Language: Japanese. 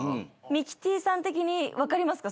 ミキティさん的に分かりますか？